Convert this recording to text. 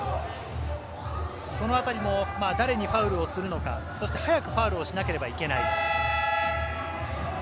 そのあたりも誰にファウルをするのか、早くファウルをしなければいけない。